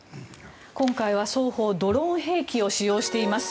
今回は双方ドローン兵器を使用しています。